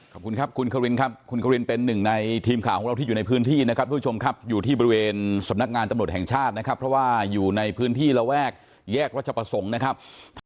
ขอบคุณครับคุณควินครับคุณควินเป็นหนึ่งในทีมข่าวของเราที่อยู่ในพื้นที่นะครับทุกผู้ชมครับอยู่ที่บริเวณสำนักงานตำรวจแห่งชาตินะครับเพราะว่าอยู่ในพื้นที่ระแวกแยกรัชประสงค์นะครับ